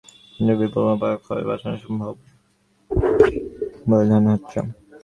এতে বিপুল পরিমাণ খরচ বাঁচানো সম্ভব হবে বলে ধারণা করা হচ্ছে।